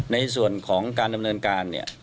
ในส่วนของการดำเนินการเนี่ย